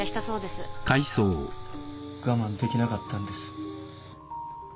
我慢できなかったんです。